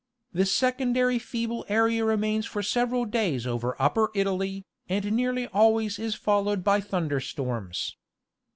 This secondary feeble area remains for several days over upper Italy, and nearly always is followed by thunder storms.